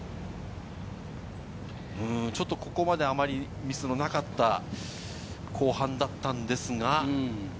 ちょっとここまであまりミスのなかった後半だったのですが。